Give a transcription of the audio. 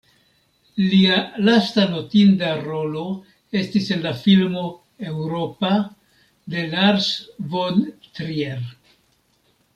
Lia lasta notinda rolo estis en la filmo "Eŭropa" de Lars von Trier.